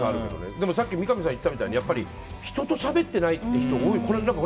でもさっき三上さん言ったみたいに人としゃべっていない人は多いよ。